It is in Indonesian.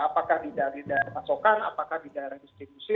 apakah di daerah pasokan apakah di daerah distribusi